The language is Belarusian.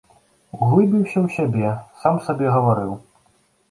Углыбіўся ў сябе, сам сабе гаварыў.